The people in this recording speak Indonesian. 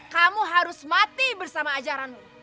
kamu harus mati bersama ajaranmu